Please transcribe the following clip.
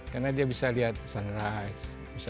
karena dia bisa lihat sunrise